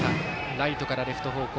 ライトからレフト方向。